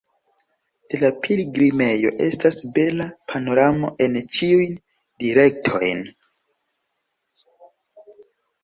De la pilgrimejo estas bela panoramo en ĉiujn direktojn.